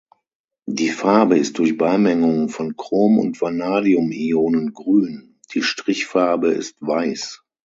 Die Farbe ist durch Beimengung von Chrom- und Vanadium-Ionen grün, die Strichfarbe ist weiß.